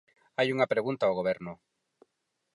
Hai unha pregunta ao Goberno.